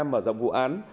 mở rộng vụ án